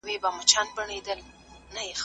دورکهايم پخوانۍ نظريې باطلي کړې.